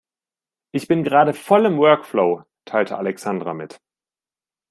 "Ich bin gerade voll im Workflow", teilte Alexandra mit.